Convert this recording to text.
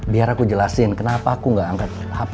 biar aku jelasin kenapa aku gak angkat